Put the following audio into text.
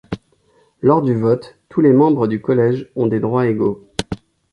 Lors du vote, tous les membres du collège ont des droits égaux.